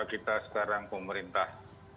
kita sekarang pemerintah